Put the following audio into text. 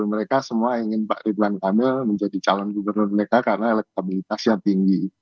mereka semua ingin pak ridwan kamil menjadi calon gubernur mereka karena elektabilitasnya tinggi